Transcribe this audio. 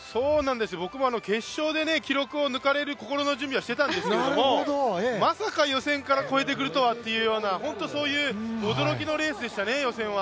僕も、決勝で記録を抜かれる心の準備はしていたんですけれどもまさか予選から超えてくるとはというような、本当にそういう驚きのレースでしたね予選は。